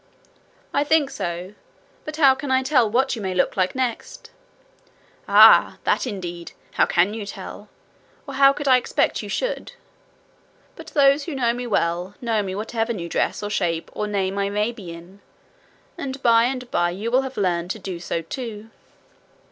'I think so. But how can I tell what you may look like next?' 'Ah, that indeed! How can you tell? Or how could I expect you should? But those who know me well, know me whatever new dress or shape or name I may be in; and by and by you will have learned to do so too.'